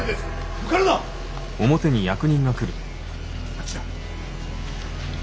あっちだ！